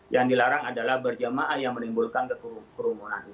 yang dilarang adalah berjamaah yang menimbulkan kerumunan